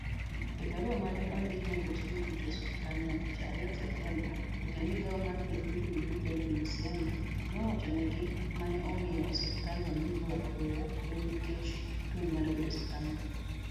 EbaruamaneondikinejotichdutoeosiptandnoTichAriyo, Septemba, jatendmigaomarthiethmiluongoniDanielMusianinowachonigimaneomiyoosiptandnoolorapoyaneennikechtungnimanenitieeosiptandno.